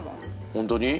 本当に？